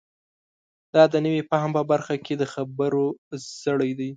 دا د نوي فهم په برخه کې د خبرو زړی دی.